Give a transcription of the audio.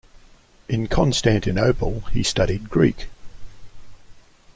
In Constantinople he studied Greek.